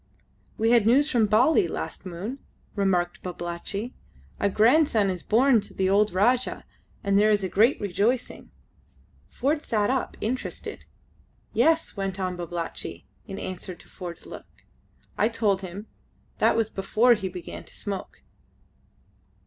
"We had news from Bali last moon," remarked Babalatchi. "A grandson is born to the old Rajah, and there is great rejoicing." Ford sat up interested. "Yes," went on Babalatchi, in answer to Ford's look. "I told him. That was before he began to smoke."